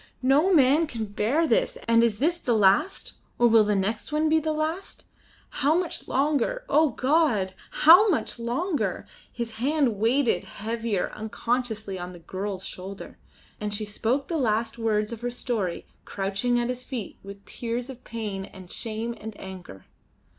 No man can bear this; and is this the last, or will the next one be the last? How much longer? O God! how much longer? His hand weighed heavier unconsciously on the girl's shoulder, and she spoke the last words of her story crouching at his feet with tears of pain and shame and anger.